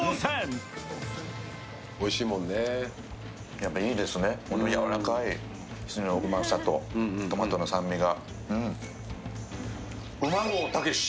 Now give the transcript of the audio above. やっぱいいですね、このやわらかい羊のうまさと、トマトの酸味が。